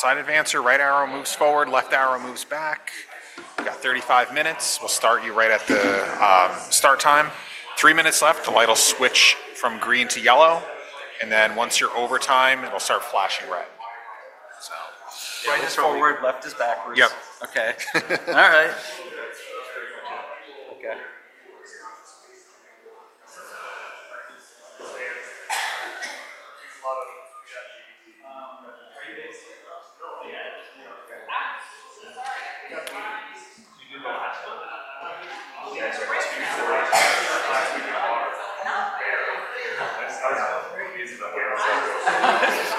Side advancer, right arrow moves forward, left arrow moves back. You got 35 minutes. We'll start you right at the start time. Three minutes left. The light'll switch from green to yellow, and then once you're over time, it'll start flashing red. Right is forward, left is backwards. Yep. Okay. All right.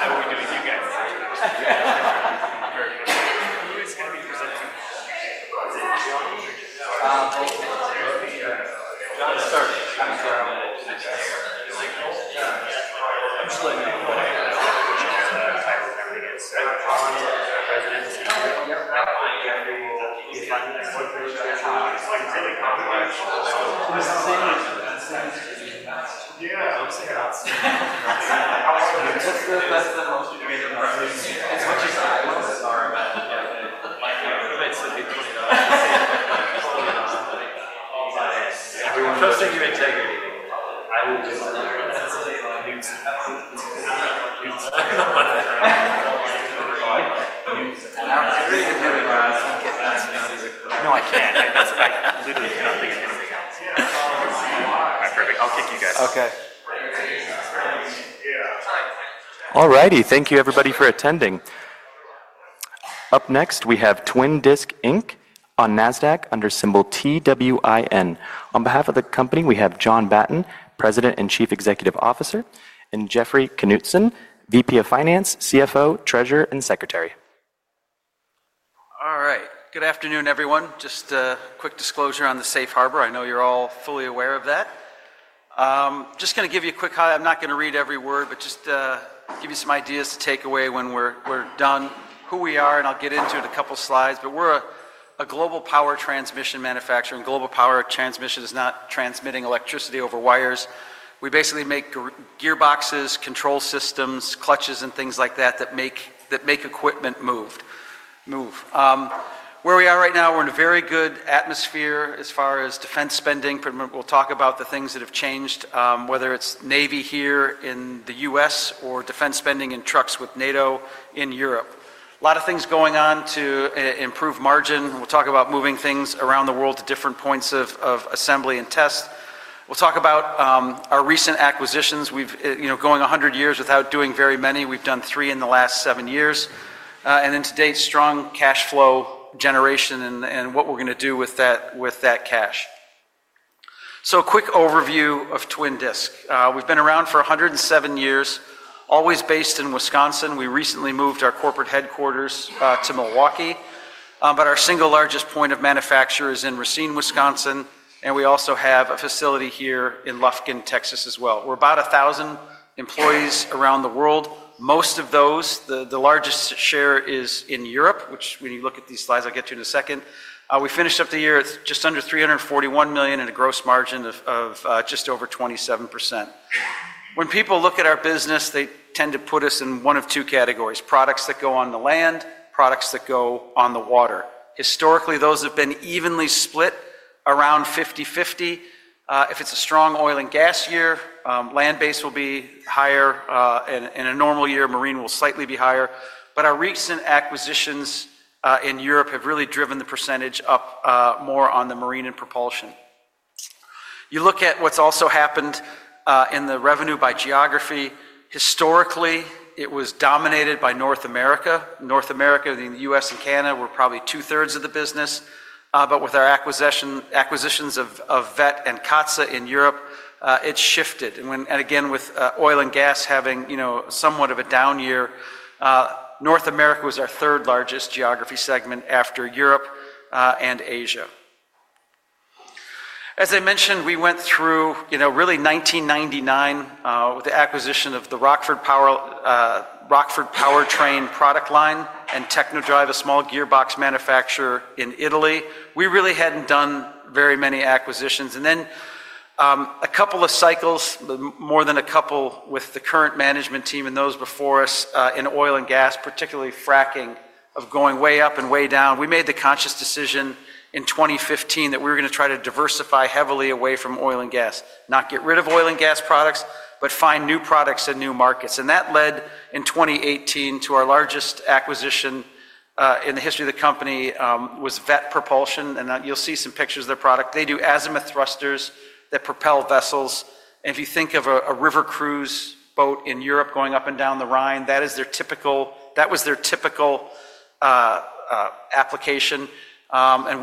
Okay. All righty. Thank you, everybody, for attending. Up next, we have Twin Disc on NASDAQ under symbol TWIN. On behalf of the company, we have John Batten, President and Chief Executive Officer, and Jeffrey Knutson, VP of Finance, CFO, Treasurer, and Secretary. All right. Good afternoon, everyone. Just a quick disclosure on the safe harbor. I know you're all fully aware of that. Just going to give you a quick high. I'm not going to read every word, but just give you some ideas to take away when we're done who we are, and I'll get into it in a couple of slides. We are a global power transmission manufacturer. Global power transmission is not transmitting electricity over wires. We basically make gearboxes, control systems, clutches, and things like that that make equipment move. Where we are right now, we're in a very good atmosphere as far as defense spending. We'll talk about the things that have changed, whether it's Navy here in the U.S. or defense spending in trucks with NATO in Europe. A lot of things going on to improve margin. We'll talk about moving things around the world to different points of assembly and test. We'll talk about our recent acquisitions. We've been going 100 years without doing very many. We've done three in the last seven years. Today, strong cash flow generation and what we're going to do with that cash. A quick overview of Twin Disc. We've been around for 107 years, always based in Wisconsin. We recently moved our corporate headquarters to Milwaukee, but our single largest point of manufacture is in Racine, Wisconsin. We also have a facility here in Lufkin, Texas, as well. We're about 1,000 employees around the world. Most of those, the largest share is in Europe, which when you look at these slides, I'll get to in a second. We finished up the year at just under $341 million and a gross margin of just over 27%. When people look at our business, they tend to put us in one of two categories: products that go on the land, products that go on the water. Historically, those have been evenly split around 50/50. If it's a strong oil and gas year, land base will be higher. In a normal year, marine will slightly be higher. Our recent acquisitions in Europe have really driven the percentage up more on the marine and propulsion. You look at what's also happened in the revenue by geography. Historically, it was dominated by North America. North America, the U.S. and Canada were probably two-thirds of the business. With our acquisitions of Veth and Katsa in Europe, it shifted. With oil and gas having somewhat of a down year, North America was our third largest geography segment after Europe and Asia. As I mentioned, we went through really 1999 with the acquisition of the Rockford Powertrain product line and Technodrive, a small gearbox manufacturer in Italy. We really had not done very many acquisitions. A couple of cycles, more than a couple, with the current management team and those before us in oil and gas, particularly fracking, of going way up and way down. We made the conscious decision in 2015 that we were going to try to diversify heavily away from oil and gas, not get rid of oil and gas products, but find new products in new markets. That led in 2018 to our largest acquisition in the history of the company, which was Veth Propulsion. You will see some pictures of their product. They do Azimuth Thrusters that propel vessels. If you think of a river cruise boat in Europe going up and down the Rhine, that was their typical application. We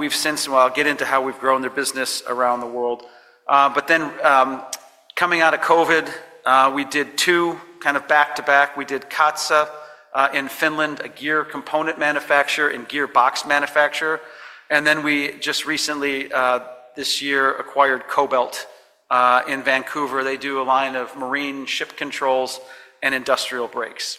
have since, and I'll get into how we've grown their business around the world. Coming out of COVID, we did two kind of back-to-back. We did Katsa in Finland, a gear component manufacturer and gearbox manufacturer. We just recently, this year, acquired Kobelt in Vancouver. They do a line of marine ship controls and industrial brakes.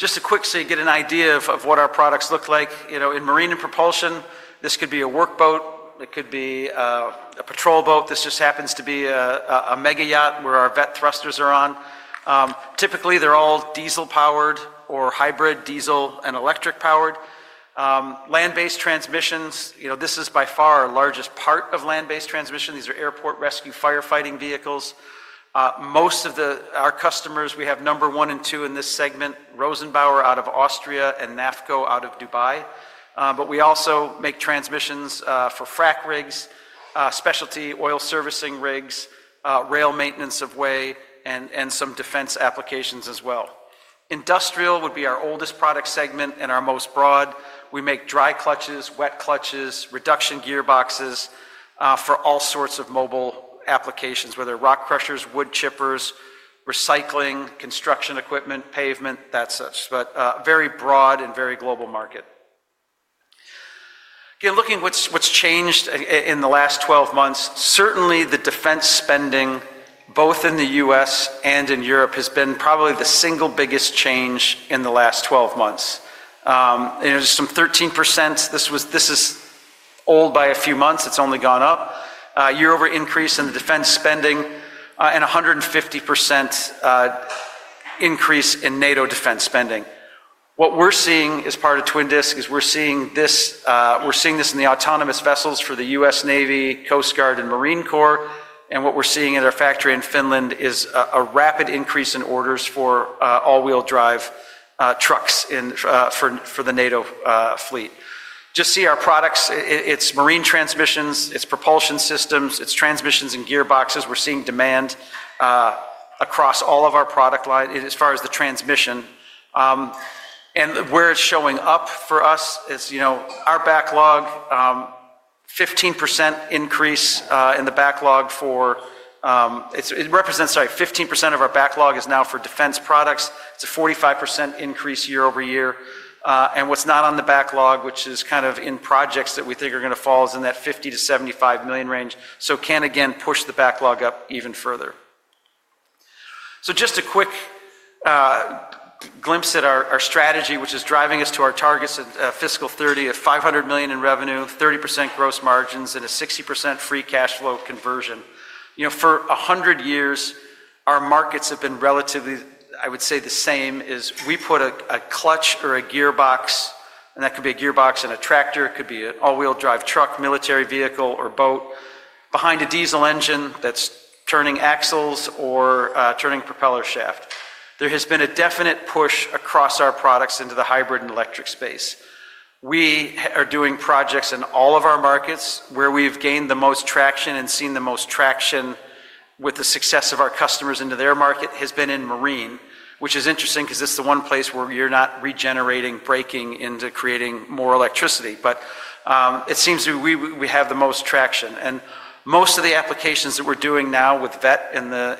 Just to quickly get an idea of what our products look like. In marine and propulsion, this could be a workboat. It could be a patrol boat. This just happens to be a mega yacht where our Veth thrusters are on. Typically, they're all diesel-powered or hybrid, diesel and electric-powered. Land-based transmissions, this is by far our largest part of land-based transmission. These are airport rescue firefighting vehicles. Most of our customers, we have number one and two in this segment, Rosenbauer out of Austria and NAFFCO out of Dubai. We also make transmissions for frack rigs, specialty oil servicing rigs, rail maintenance of way, and some defense applications as well. Industrial would be our oldest product segment and our most broad. We make dry clutches, wet clutches, reduction gearboxes for all sorts of mobile applications, whether rock crushers, wood chippers, recycling, construction equipment, pavement, that such. Very broad and very global market. Again, looking at what's changed in the last 12 months, certainly the defense spending, both in the U.S. and in Europe, has been probably the single biggest change in the last 12 months. There's some 13%. This is old by a few months. It's only gone up. Year-over-year increase in the defense spending and 150% increase in NATO defense spending. What we're seeing as part of Twin Disc is we're seeing this in the autonomous vessels for the U.S. Navy, Coast Guard, and Marine Corps. What we're seeing in our factory in Finland is a rapid increase in orders for all-wheel-drive trucks for the NATO fleet. Just see our products. It's marine transmissions. It's propulsion systems. It's transmissions and gearboxes. We're seeing demand across all of our product lines as far as the transmission. Where it's showing up for us is our backlog, 15% increase in the backlog for it represents, sorry, 15% of our backlog is now for defense products. It's a 45% increase year over year. What's not on the backlog, which is kind of in projects that we think are going to fall, is in that $50 million-$75 million range. Can, again, push the backlog up even further. Just a quick glimpse at our strategy, which is driving us to our targets at fiscal 2030 of $500 million in revenue, 30% gross margins, and a 60% free cash flow conversion. For 100 years, our markets have been relatively, I would say, the same as we put a clutch or a gearbox, and that could be a gearbox in a tractor. It could be an all-wheel-drive truck, military vehicle, or boat behind a diesel engine that's turning axles or turning propeller shaft. There has been a definite push across our products into the hybrid and electric space. We are doing projects in all of our markets where we've gained the most traction and seen the most traction with the success of our customers into their market has been in marine, which is interesting because it's the one place where you're not regenerating, braking into creating more electricity. It seems we have the most traction. Most of the applications that we're doing now with Veth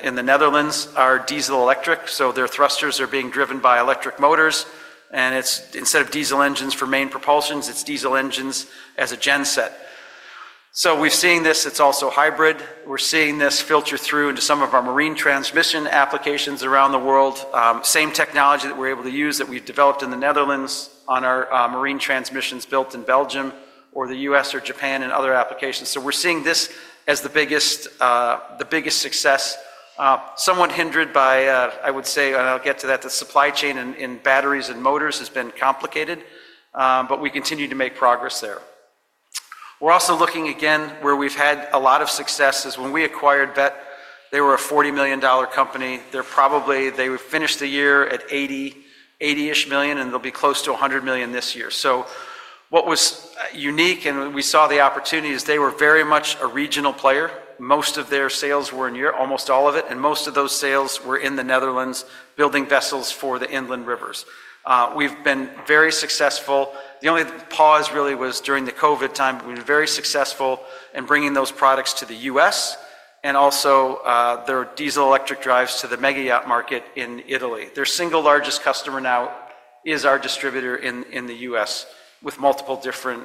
in the Netherlands are diesel-electric. Their thrusters are being driven by electric motors. Instead of diesel engines for main propulsions, it's diesel engines as a genset. We have seen this. It's also hybrid. We're seeing this filter through into some of our marine transmission applications around the world. Same technology that we're able to use that we've developed in the Netherlands on our marine transmissions built in Belgium or the U.S. or Japan and other applications. We're seeing this as the biggest success. Somewhat hindered by, I would say, and I'll get to that, the supply chain in batteries and motors has been complicated, but we continue to make progress there. We're also looking, again, where we've had a lot of success is when we acquired Veth. They were a $40 million company. They finished the year at $80 million, and they'll be close to $100 million this year. What was unique, and we saw the opportunity, is they were very much a regional player. Most of their sales were in Europe, almost all of it. Most of those sales were in the Netherlands building vessels for the inland rivers. We've been very successful. The only pause really was during the COVID time. We were very successful in bringing those products to the U.S. and also their diesel-electric drives to the mega yacht market in Italy. Their single largest customer now is our distributor in the U.S. with multiple different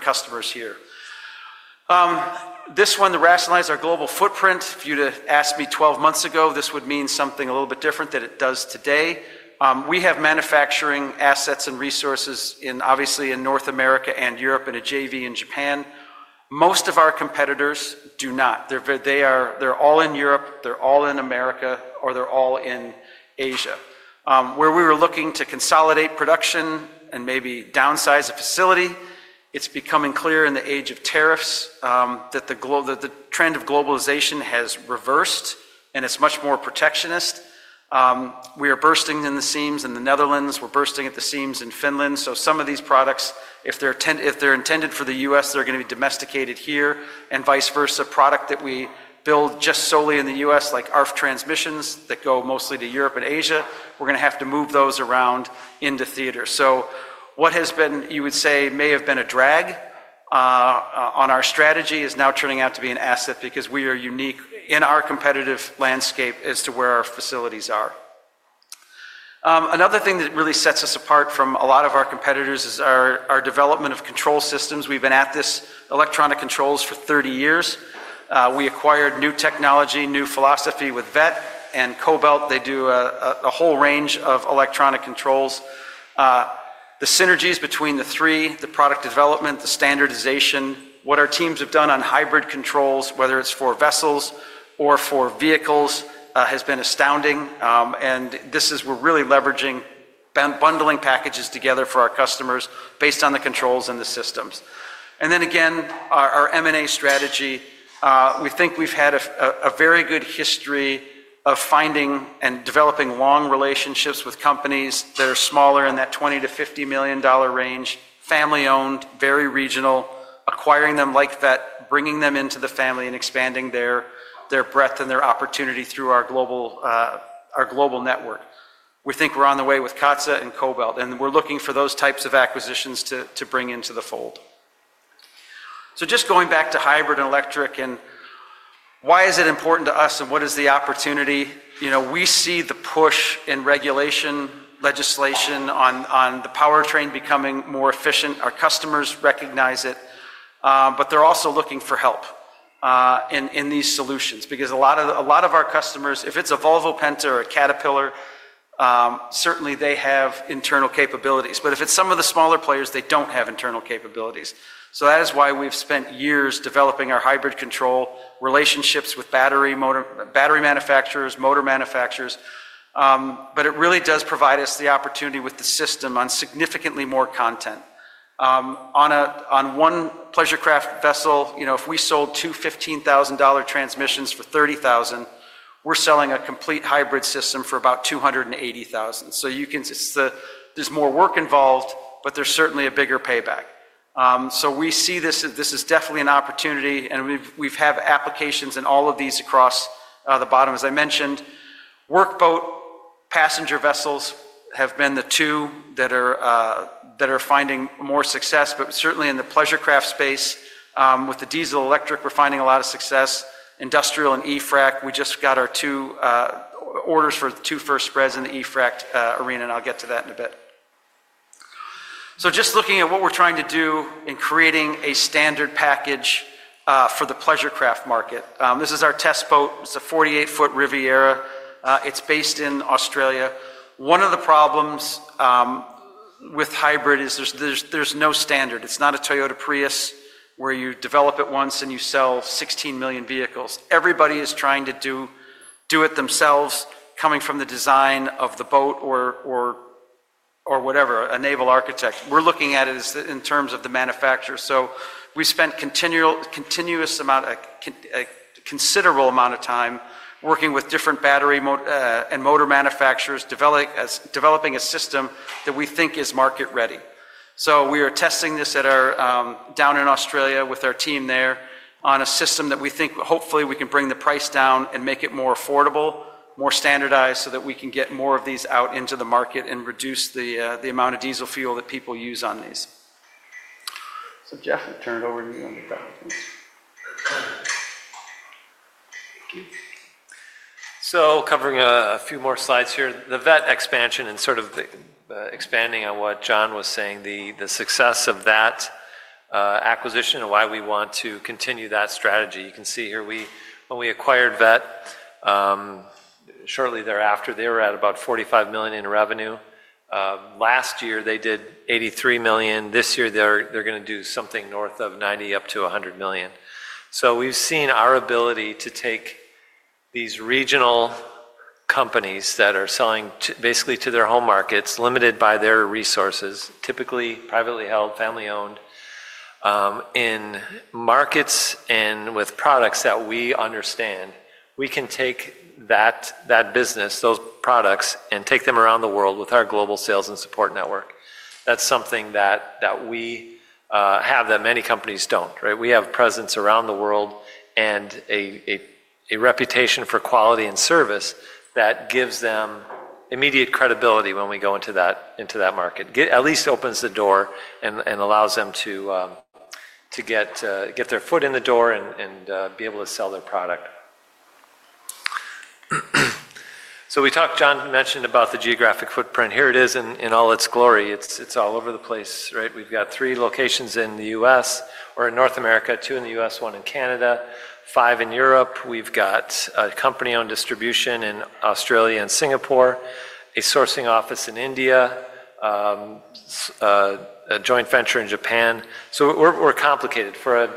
customers here. This one, the rationalize, our global footprint. If you'd have asked me 12 months ago, this would mean something a little bit different than it does today. We have manufacturing assets and resources obviously in North America and Europe and a JV in Japan. Most of our competitors do not. They're all in Europe. They're all in America, or they're all in Asia. Where we were looking to consolidate production and maybe downsize a facility, it's becoming clear in the age of tariffs that the trend of globalization has reversed and it's much more protectionist. We are bursting in the seams in the Netherlands. We're bursting at the seams in Finland. Some of these products, if they're intended for the U.S., they're going to be domesticated here and vice versa. Product that we build just solely in the U.S., like ARFF transmissions that go mostly to Europe and Asia, we're going to have to move those around into theater. What has been, you would say, may have been a drag on our strategy is now turning out to be an asset because we are unique in our competitive landscape as to where our facilities are. Another thing that really sets us apart from a lot of our competitors is our development of control systems. We've been at this electronic controls for 30 years. We acquired new technology, new philosophy with Veth and Kobelt. They do a whole range of electronic controls. The synergies between the three, the product development, the standardization, what our teams have done on hybrid controls, whether it's for vessels or for vehicles, has been astounding. This is where we're really leveraging bundling packages together for our customers based on the controls and the systems. Our M&A strategy, we think we've had a very good history of finding and developing long relationships with companies that are smaller in that $20 million-$50 million range, family-owned, very regional, acquiring them like that, bringing them into the family and expanding their breadth and their opportunity through our global network. We think we're on the way with Katsa and Kobelt. We're looking for those types of acquisitions to bring into the fold. Just going back to hybrid and electric and why is it important to us and what is the opportunity? We see the push in regulation legislation on the powertrain becoming more efficient. Our customers recognize it. They are also looking for help in these solutions because a lot of our customers, if it's a Volvo Penta or a Caterpillar, certainly they have internal capabilities. If it's some of the smaller players, they do not have internal capabilities. That is why we've spent years developing our hybrid control relationships with battery manufacturers, motor manufacturers. It really does provide us the opportunity with the system on significantly more content. On one pleasure craft vessel, if we sold two $15,000 transmissions for $30,000, we are selling a complete hybrid system for about $280,000. There is more work involved, but there is certainly a bigger payback. We see this as definitely an opportunity. We have applications in all of these across the bottom. As I mentioned, workboat passenger vessels have been the two that are finding more success. Certainly in the pleasure craft space, with the diesel-electric, we're finding a lot of success. Industrial and E-Frac, we just got our two orders for two first spreads in the E-Frac arena. I'll get to that in a bit. Just looking at what we're trying to do in creating a standard package for the pleasure craft market. This is our test boat. It's a 48-foot Riviera. It's based in Australia. One of the problems with hybrid is there's no standard. It's not a Toyota Prius where you develop it once and you sell 16 million vehicles. Everybody is trying to do it themselves, coming from the design of the boat or whatever, a naval architect. We're looking at it in terms of the manufacturer. We spent a considerable amount of time working with different battery and motor manufacturers, developing a system that we think is market-ready. We are testing this down in Australia with our team there on a system that we think hopefully we can bring the price down and make it more affordable, more standardized so that we can get more of these out into the market and reduce the amount of diesel fuel that people use on these. Jeff, I'll turn it over to you on the back. Thanks. Thank you. Covering a few more slides here, the Veth expansion and sort of expanding on what John was saying, the success of that acquisition and why we want to continue that strategy. You can see here when we acquired Veth, shortly thereafter, they were at about $45 million in revenue. Last year, they did $83 million. This year, they're going to do something north of $90 million up to $100 million. We have seen our ability to take these regional companies that are selling basically to their home markets, limited by their resources, typically privately held, family-owned, in markets and with products that we understand, we can take that business, those products, and take them around the world with our global sales and support network. That is something that we have that many companies do not. We have a presence around the world and a reputation for quality and service that gives them immediate credibility when we go into that market. At least it opens the door and allows them to get their foot in the door and be able to sell their product. John mentioned about the geographic footprint. Here it is in all its glory. It's all over the place. We've got three locations in the U.S. or in North America, two in the U.S., one in Canada, five in Europe. We've got a company-owned distribution in Australia and Singapore, a sourcing office in India, a joint venture in Japan. We are complicated. For a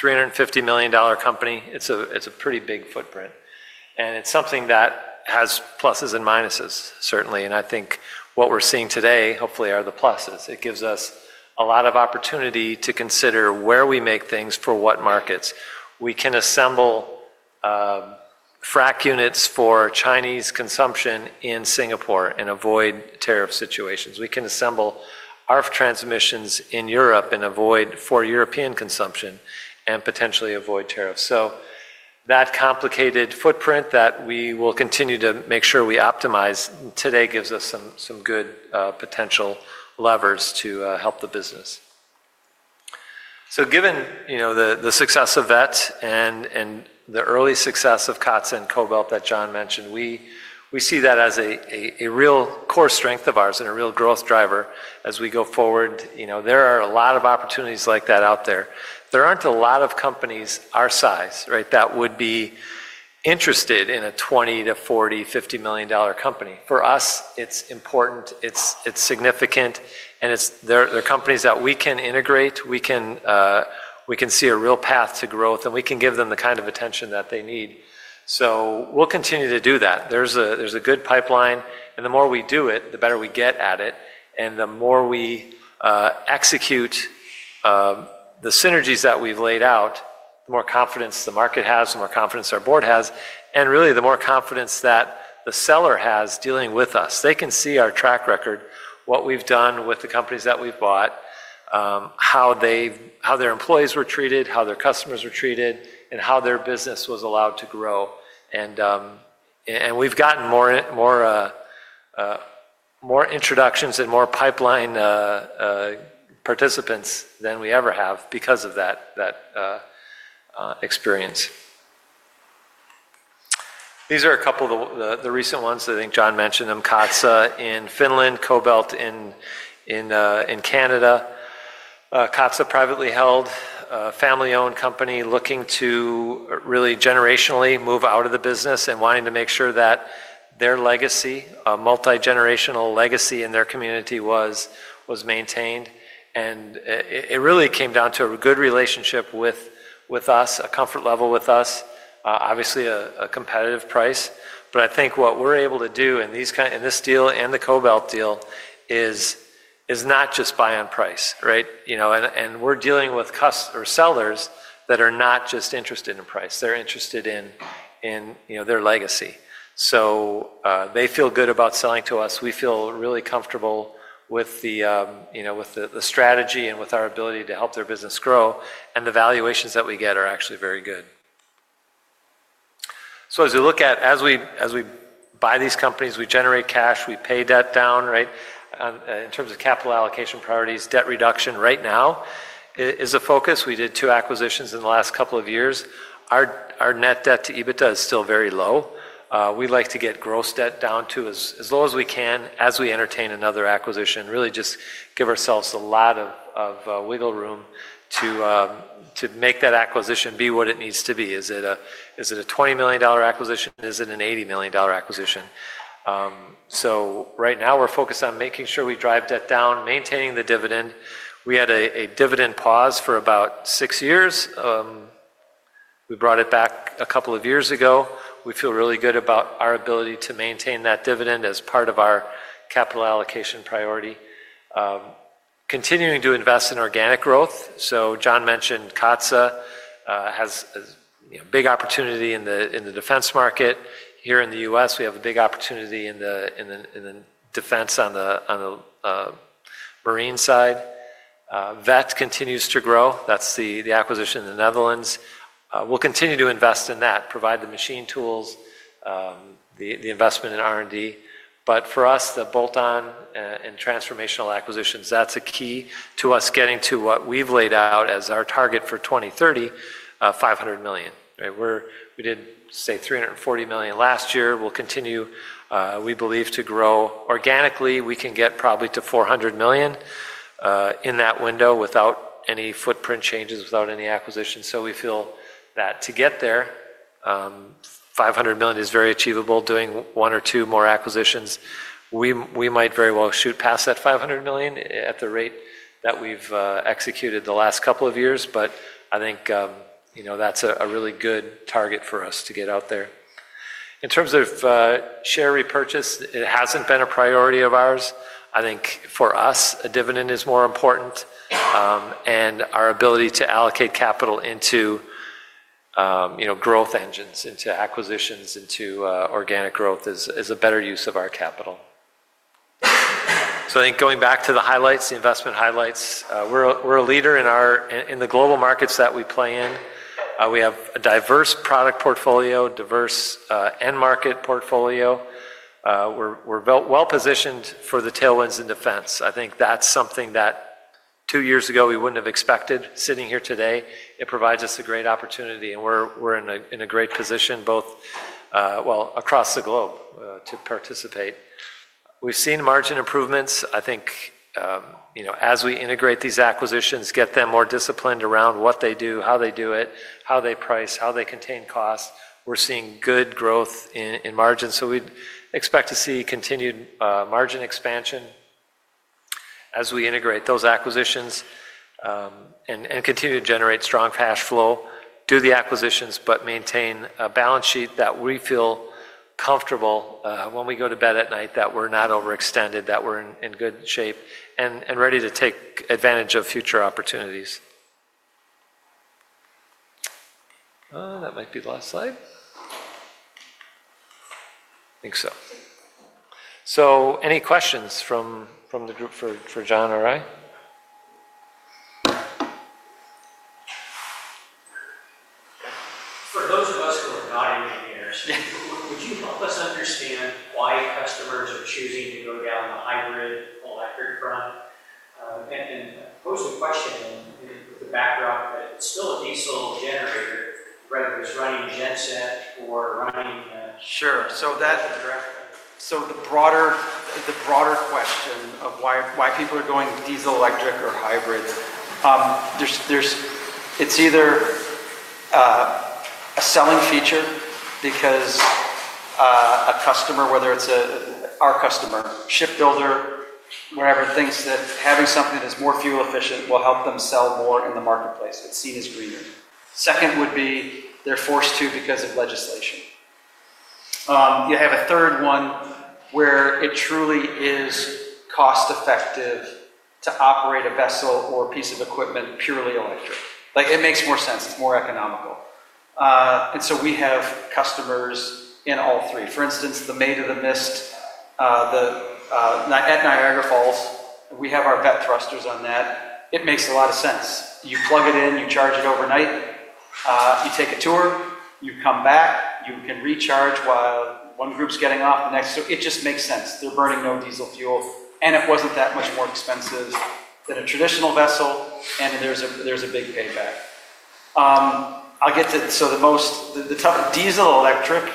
$350 million company, it's a pretty big footprint. It is something that has pluses and minuses, certainly. I think what we are seeing today, hopefully, are the pluses. It gives us a lot of opportunity to consider where we make things for what markets. We can assemble frac units for Chinese consumption in Singapore and avoid tariff situations. We can assemble ARFF transmissions in Europe for European consumption and potentially avoid tariffs. That complicated footprint that we will continue to make sure we optimize today gives us some good potential levers to help the business. Given the success of Veth and the early success of Katsa and Kobelt that John mentioned, we see that as a real core strength of ours and a real growth driver as we go forward. There are a lot of opportunities like that out there. There aren't a lot of companies our size that would be interested in a $20 million-$40 million, $50 million company. For us, it's important. It's significant. And they're companies that we can integrate. We can see a real path to growth, and we can give them the kind of attention that they need. We will continue to do that. There is a good pipeline. The more we do it, the better we get at it. The more we execute the synergies that we have laid out, the more confidence the market has, the more confidence our board has, and really the more confidence that the seller has dealing with us. They can see our track record, what we have done with the companies that we have bought, how their employees were treated, how their customers were treated, and how their business was allowed to grow. We have gotten more introductions and more pipeline participants than we ever have because of that experience. These are a couple of the recent ones that I think John mentioned: Katsa in Finland, Kobelt in Canada, Katsa privately held, family-owned company looking to really generationally move out of the business and wanting to make sure that their legacy, a multi-generational legacy in their community, was maintained. It really came down to a good relationship with us, a comfort level with us, obviously a competitive price. I think what we are able to do in this deal and the Kobelt deal is not just buy on price. We are dealing with sellers that are not just interested in price. They are interested in their legacy. They feel good about selling to us. We feel really comfortable with the strategy and with our ability to help their business grow. The valuations that we get are actually very good. As we look at, as we buy these companies, we generate cash, we pay debt down. In terms of capital allocation priorities, debt reduction right now is a focus. We did two acquisitions in the last couple of years. Our net debt to EBITDA is still very low. We'd like to get gross debt down to as low as we can as we entertain another acquisition, really just give ourselves a lot of wiggle room to make that acquisition be what it needs to be. Is it a $20 million acquisition? Is it an $80 million acquisition? Right now, we're focused on making sure we drive debt down, maintaining the dividend. We had a dividend pause for about six years. We brought it back a couple of years ago. We feel really good about our ability to maintain that dividend as part of our capital allocation priority. Continuing to invest in organic growth. John mentioned Katsa has a big opportunity in the defense market. Here in the U.S., we have a big opportunity in defense on the marine side. Veth continues to grow. That is the acquisition in the Netherlands. We will continue to invest in that, provide the machine tools, the investment in R&D. For us, the bolt-on and transformational acquisitions, that is a key to us getting to what we have laid out as our target for 2030, $500 million. We did, say, $340 million last year. We will continue, we believe, to grow organically. We can get probably to $400 million in that window without any footprint changes, without any acquisitions. We feel that to get there, $500 million is very achievable. Doing one or two more acquisitions, we might very well shoot past that $500 million at the rate that we've executed the last couple of years. I think that's a really good target for us to get out there. In terms of share repurchase, it hasn't been a priority of ours. I think for us, a dividend is more important. Our ability to allocate capital into growth engines, into acquisitions, into organic growth is a better use of our capital. I think going back to the highlights, the investment highlights, we're a leader in the global markets that we play in. We have a diverse product portfolio, diverse end market portfolio. We're well positioned for the tailwinds in defense. I think that's something that two years ago, we wouldn't have expected. Sitting here today, it provides us a great opportunity. We are in a great position, across the globe, to participate. We have seen margin improvements. I think as we integrate these acquisitions, get them more disciplined around what they do, how they do it, how they price, how they contain costs, we are seeing good growth in margins. We expect to see continued margin expansion as we integrate those acquisitions and continue to generate strong cash flow, do the acquisitions, but maintain a balance sheet that we feel comfortable when we go to bed at night, that we are not overextended, that we are in good shape and ready to take advantage of future opportunities. That might be the last slide. I think so. Any questions from the group for John or I? For those of us who are not engineers, would you help us understand why customers are choosing to go down the hybrid electric front? Pose the question with the backdrop that it's still a diesel generator, whether it's running genset or running? Sure. The broader question of why people are going diesel, electric, or hybrid, it's either a selling feature because a customer, whether it's our customer, shipbuilder, whatever, thinks that having something that's more fuel efficient will help them sell more in the marketplace. It's seen as greener. Second would be they're forced to because of legislation. You have a third one where it truly is cost-effective to operate a vessel or a piece of equipment purely electric. It makes more sense. It's more economical. We have customers in all three. For instance, the Maid of the Mist at Niagara Falls, we have our Veth thrusters on that. It makes a lot of sense. You plug it in, you charge it overnight, you take a tour, you come back, you can recharge while one group's getting off the next. It just makes sense. They're burning no diesel fuel. It wasn't that much more expensive than a traditional vessel. There's a big payback. I'll get to the tougher diesel electric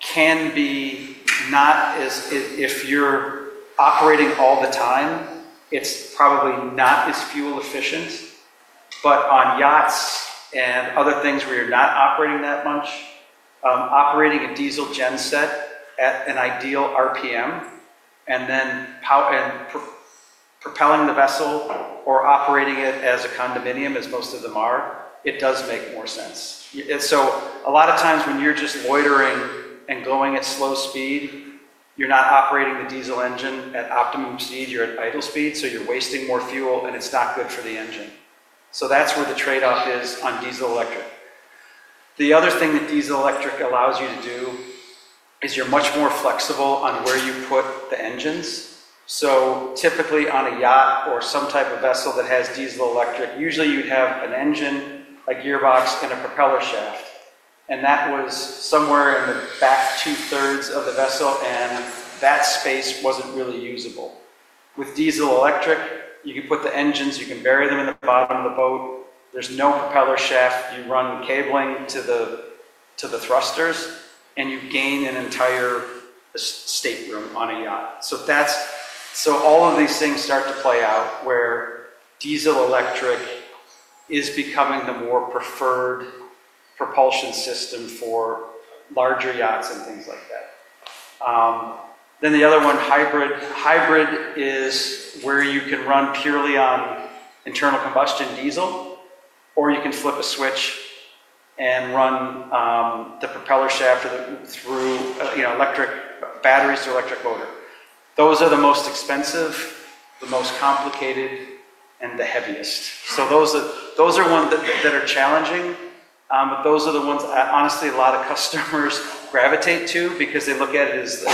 can be. Not as if you're operating all the time, it's probably not as fuel efficient. On yachts and other things where you're not operating that much, operating a diesel genset at an ideal RPM and then propelling the vessel or operating it as a condominium, as most of them are, it does make more sense. A lot of times when you're just loitering and going at slow speed, you're not operating the diesel engine at optimum speed. You're at idle speed. You're wasting more fuel and it's not good for the engine. That's where the trade-off is on diesel electric. The other thing that diesel electric allows you to do is you're much more flexible on where you put the engines. Typically on a yacht or some type of vessel that has diesel electric, usually you'd have an engine, a gearbox, and a propeller shaft. That was somewhere in the back two-thirds of the vessel, and that space wasn't really usable. With diesel electric, you can put the engines, you can bury them in the bottom of the boat. There's no propeller shaft. You run cabling to the thrusters and you gain an entire estate room on a yacht. All of these things start to play out where diesel electric is becoming the more preferred propulsion system for larger yachts and things like that. The other one, hybrid, hybrid is where you can run purely on internal combustion diesel or you can flip a switch and run the propeller shaft through electric batteries to electric motor. Those are the most expensive, the most complicated, and the heaviest. Those are ones that are challenging. Those are the ones honestly a lot of customers gravitate to because they look at it as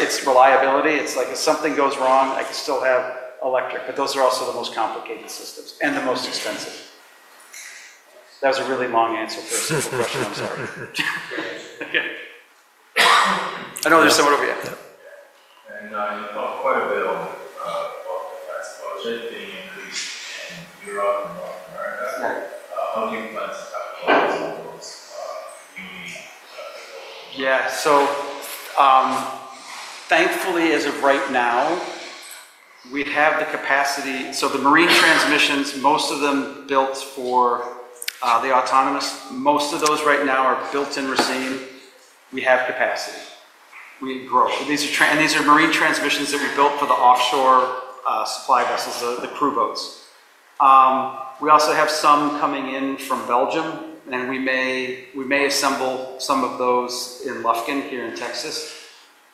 its reliability. It's like if something goes wrong, I can still have electric. Those are also the most complicated systems and the most expensive. That was a really long answer for a simple question. I'm sorry. I know there's someone over here. You talked quite a bit about the tax budget being increased in Europe and North America. How do you plan to capitalize on those community? Yeah. Thankfully, as of right now, we have the capacity. The marine transmissions, most of them built for the autonomous, most of those right now are built in Racine. We have capacity. We grow. These are marine transmissions that we built for the offshore supply vessels, the crew boats. We also have some coming in from Belgium. We may assemble some of those in Lufkin here in Texas.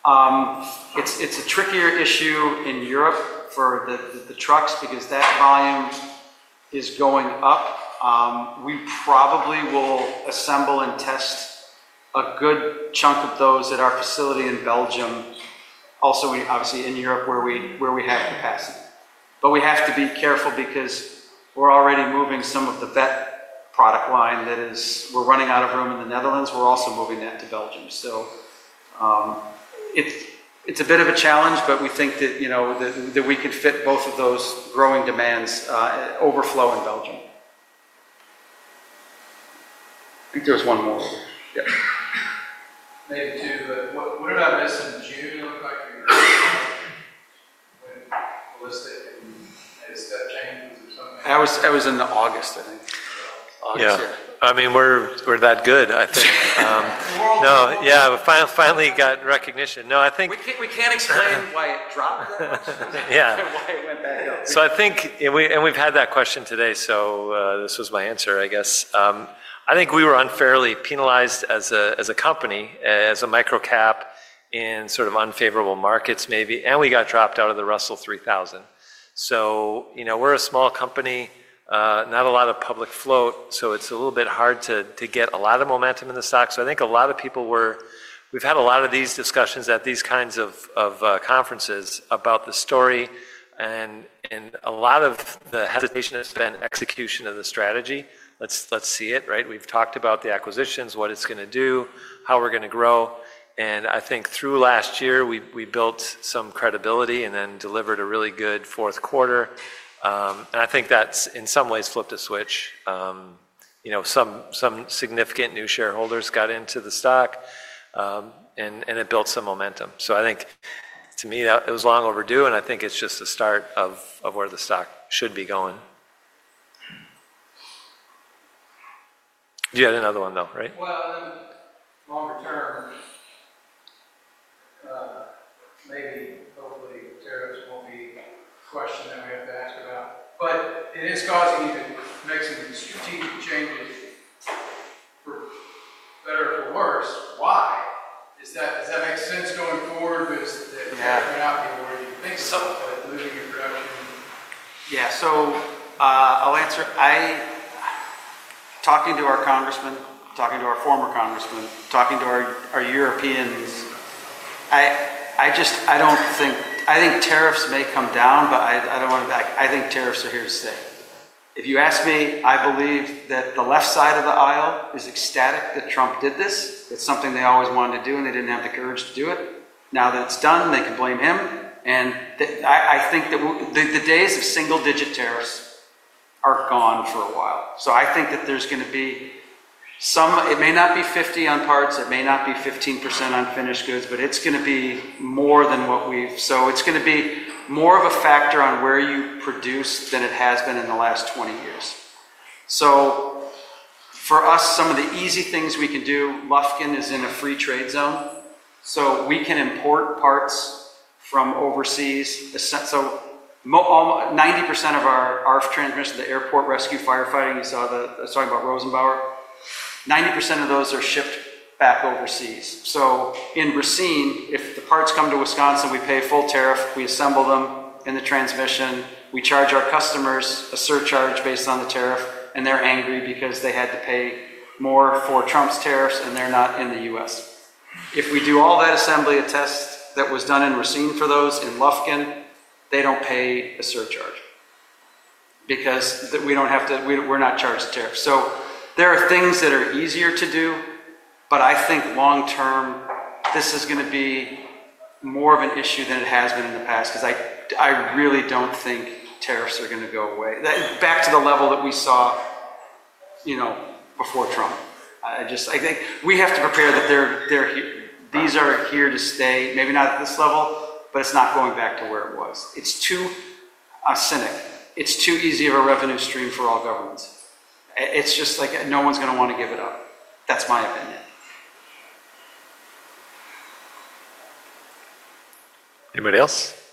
It is a trickier issue in Europe for the trucks because that volume is going up. We probably will assemble and test a good chunk of those at our facility in Belgium. Also, obviously in Europe where we have capacity. We have to be careful because we are already moving some of the Veth product line, that is, we are running out of room in the Netherlands. We are also moving that to Belgium. It is a bit of a challenge, but we think that we can fit both of those growing demands overflow in Belgium. I think there was one more. Maybe two, but what about this in June? It looked like you were in August when Melissa made a step change. Was it something? That was in August, I think. Yeah. I mean, we're that good, I think. No, yeah, finally got recognition. No, I think. We can't explain why it dropped that much and why it went back up. I think, and we've had that question today. This was my answer, I guess. I think we were unfairly penalized as a company, as a micro cap in sort of unfavorable markets maybe. We got dropped out of the Russell 3000. We're a small company, not a lot of public float. It's a little bit hard to get a lot of momentum in the stock. I think a lot of people were, we've had a lot of these discussions at these kinds of conferences about the story. A lot of the hesitation has been execution of the strategy. Let's see it. We've talked about the acquisitions, what it's going to do, how we're going to grow. I think through last year, we built some credibility and then delivered a really good fourth quarter. I think that's in some ways flipped a switch. Some significant new shareholders got into the stock and it built some momentum. I think to me, it was long overdue. I think it's just the start of where the stock should be going. You had another one though, right? Longer term, maybe hopefully tariffs won't be a question that we have to ask about. It is causing you to make some strategic changes for better or for worse. Why? Does that make sense going forward? Yeah. Because you're not being where you think so, but moving your production? Yeah. I'll answer. Talking to our congressmen, talking to our former congressmen, talking to our Europeans, I don't think tariffs may come down, but I don't want to, I think tariffs are here to stay. If you ask me, I believe that the left side of the aisle is ecstatic that Trump did this. It's something they always wanted to do and they didn't have the courage to do it. Now that it's done, they can blame him. I think that the days of single-digit tariffs are gone for a while. I think that there's going to be some, it may not be 50% on parts. It may not be 15% on finished goods, but it's going to be more than what we've, so it's going to be more of a factor on where you produce than it has been in the last 20 years. For us, some of the easy things we can do, Lufkin is in a free trade zone. We can import parts from overseas. Ninety percent of our transmission, the airport rescue firefighting, you saw I was talking about Rosenbauer. Ninety percent of those are shipped back overseas. In Racine, if the parts come to Wisconsin, we pay full tariff. We assemble them in the transmission. We charge our customers a surcharge based on the tariff. They're angry because they had to pay more for Trump's tariffs and they're not in the U.S. If we do all that assembly and test that was done in Racine for those in Lufkin, they don't pay a surcharge because we're not charged a tariff. There are things that are easier to do. I think long term, this is going to be more of an issue than it has been in the past because I really don't think tariffs are going to go away. Back to the level that we saw before Trump. I think we have to prepare that these are here to stay. Maybe not at this level, but it's not going back to where it was. It's too cynic. It's too easy of a revenue stream for all governments. It's just like no one's going to want to give it up. That's my opinion. Anybody else?